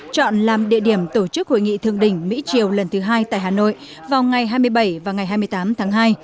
chọn làm địa điểm tổ chức hội nghị thượng đỉnh mỹ triều lần thứ hai tại hà nội vào ngày hai mươi bảy và ngày hai mươi tám tháng hai